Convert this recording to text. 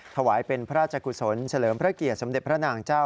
ถวายเป็นพระราชกุศลเฉลิมพระเกียรติสมเด็จพระนางเจ้า